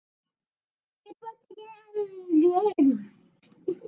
এরপর তিনি আর বিয়ে করেননি।